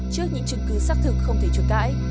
trước những chứng cứ xác thực không thể chối cãi